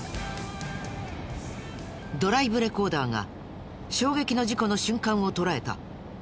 ドライブレコーダーが衝撃の事故の瞬間を捉えた。